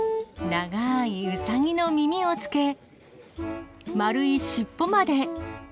長いうさぎの耳をつけ、丸い尻尾まで。